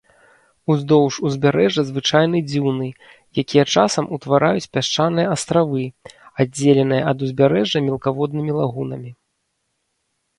Уздоўж узбярэжжа звычайны дзюны, якія часам утвараюць пясчаныя астравы, аддзеленыя ад узбярэжжа мелкаводнымі лагунамі.